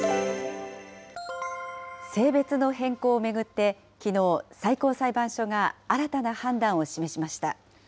性別の変更を巡って、きのう、最高裁判所が新たな判断を示しました。